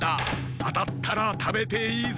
あたったらたべていいぞ。